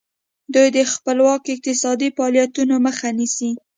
دوی د خپلواکو اقتصادي فعالیتونو مخه نیسي.